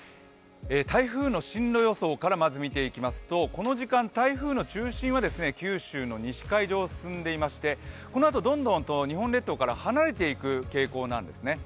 台風の進路予想からまず見ていきますと、この時間、台風の中心は九州の西海上を進んでいましてこのあとどんどんと日本列島から離れていく傾向なんです。